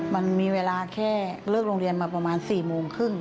มันมีเวลาแค่เลิกโรงเรียนมาประมาณ๔โมงครึ่ง